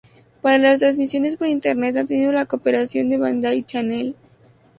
Para las transmisiones por internet, ha tenido la cooperación de "Bandai Channel".